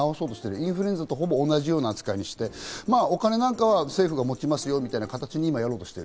インフルエンザとほぼ同じような扱いにして、お金なんかは政府が持ちますよみたいな形にやろうとしてる。